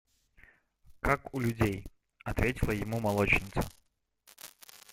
– Как у людей, – ответила ему молочница.